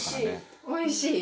おいしい？